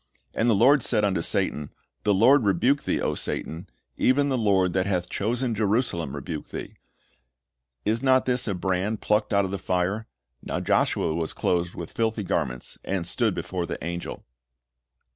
And the Lord said unto Satan, The Lord rebuke thee, O Satan; even the Lord that hath chosen Jerusalem rebuke thee: is not this a brand plucked out of the fire? Now Joshua was clothed with filthy garments, and stood before the angel."